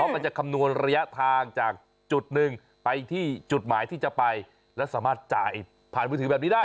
มันจะคำนวณระยะทางจากจุดหนึ่งไปที่จุดหมายที่จะไปและสามารถจ่ายผ่านมือถือแบบนี้ได้